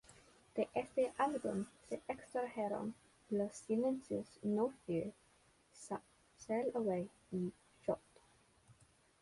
De este álbum se extrajeron los sencillos "No Fear", "Sail Away", y "Shot".